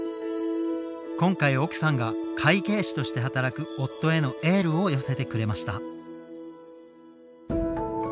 今回奥さんが会計士として働く夫へのエールを寄せてくれました。